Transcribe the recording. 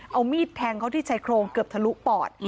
เอามีดแทงเขาที่ชายโครงเกือบทะลุปอด